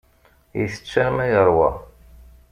Ittett arma yeṛwa.